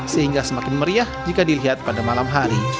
sehingga semakin meriah jika dilihat pada malam hari